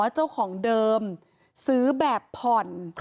เจ้าของเดิมซื้อแบบผ่อน